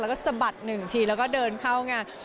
แล้วก็สะบัดหนึ่งทีแล้วก็เดินเข้าไง